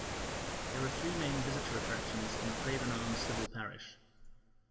There are three main visitor attractions in the Craven Arms civil parish.